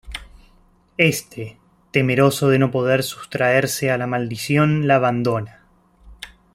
Éste, temeroso de no poder sustraerse a la maldición la abandona.